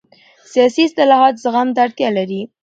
سیاسي اصلاحات زغم ته اړتیا لري